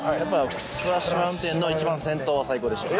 スプラッシュマウンテンの一番先頭は最高でしたね。